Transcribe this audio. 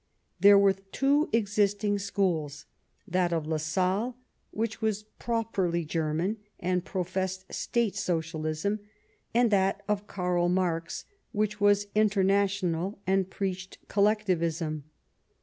There were two existing schools : that of Lassalle, which was properly German and professed State SociaUsm, and that of Karl Marx, which was inter national and preached Collectivism.